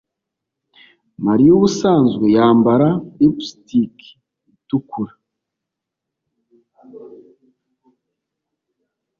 Mariya ubusanzwe yambara lipstiki itukura